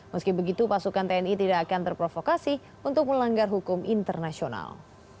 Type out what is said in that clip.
meski begitu pasukan tni tidak akan terprovokasi untuk melanggar hukum internasional